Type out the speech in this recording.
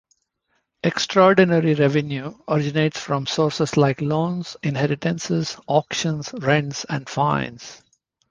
Extraordinary revenue originates from sources like loans, inheritances, auctions, rents and fines.